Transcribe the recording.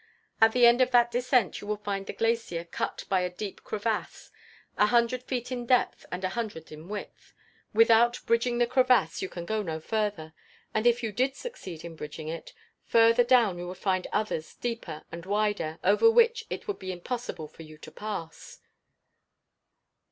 At the end of that descent you will find the glacier cut by a deep crevasse, a hundred feet in depth and a hundred in width. Without bridging the crevasse, you can go no further; and if you did succeed in bridging it, further down you would find others deeper and wider, over which it would be impossible for you to pass.